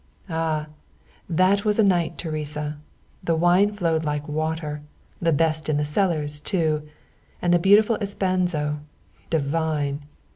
"Ah, that was a night, Teresa the wine flowed like water the best in the cellars, too. And the beautiful Espanzo divine!"